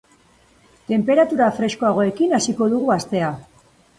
Tenperatura freskoagoekin hasiko dugu astea.